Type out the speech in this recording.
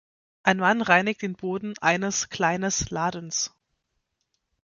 Ein Mann reinigt den Boden eines kleines Ladens